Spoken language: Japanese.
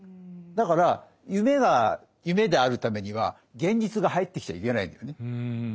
だから夢が夢であるためには現実が入ってきちゃいけないんですね。